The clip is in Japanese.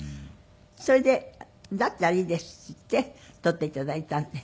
それで「だったらいいです」って言って撮って頂いたんで。